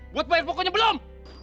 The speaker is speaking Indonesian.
buat bayar pokoknya belum